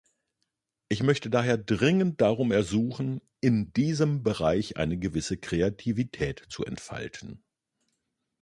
Ich möchte daher dringend darum ersuchen, in diesem Bereich eine gewisse Kreativität zu entfalten.